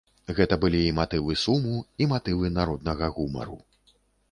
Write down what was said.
Гэта былі і матывы суму, і матывы народнага гумару.